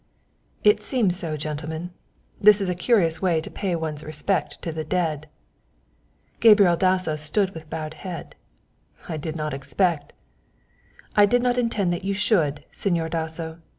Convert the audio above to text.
"It seems so, gentlemen. This is a curious way to pay one's respect to the dead." Gabriel Dasso stood with bowed head. "I did not expect " "I did not intend that you should, Señor Dasso.